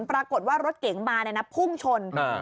ปรากฏว่ารถเก๋งมาในน่ะพุ่งชนอ่า